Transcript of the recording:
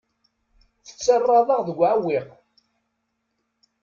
Tettarraḍ-aɣ deg uɛewwiq.